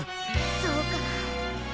そうか。